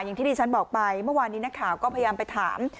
อย่างที่ที่ฉันบอกไปเมื่อวานนี้นักข่าวก็พยายามไปถาม